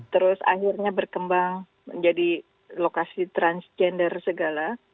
terus akhirnya berkembang menjadi lokasi transgender segala